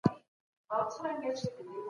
چېري د انټرنیټ د بندولو پرېکړي کیږي؟